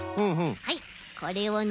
はいこれをねえ。